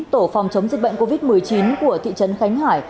tổ phòng chống dịch bệnh covid một mươi chín của thị trấn khánh hải